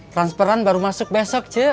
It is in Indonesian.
transferan baru masuk besok cie